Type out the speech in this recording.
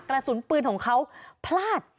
กระสุนปืนของเขาพลาด